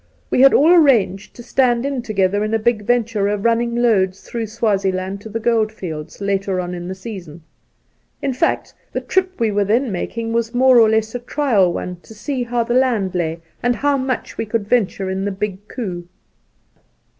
We had all arranged to stand in together in a big venture of running loads through Swazie land to the gold fields later on in the season ; in fact, the trip we were then making was more or less a trial one to see how the land lay, and how much we could venture in the big coup.